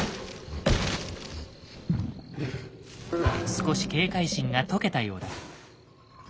少し警戒心が解けたようだ。